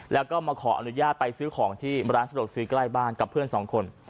แล้วก็มาขออนุญาตไปซื้อของที่ร้านสะดวกซื้อใกล้บ้านกับเพื่อนสองคน